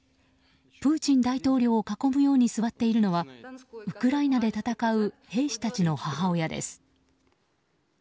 プーチン大統領を囲むように座っているのはウクライナで戦う兵士たちの母親です。